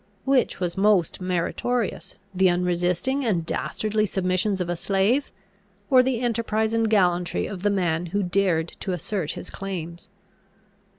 Which was most meritorious, the unresisting and dastardly submission of a slave, or the enterprise and gallantry of the man who dared to assert his claims?